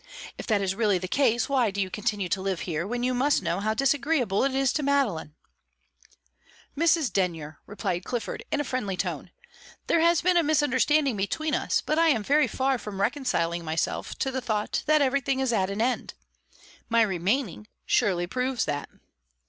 If that is really the case, why do you continue to live here, when you must know how disagreeable it is to Madeline?" "Mrs. Denyer," replied Clifford, in a friendly tone, "there has been a misunderstanding between us, but I am very far from reconciling myself to the thought that everything is at an end. My remaining surely proves that."